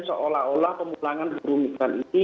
seolah olah pemulangan buru migran ini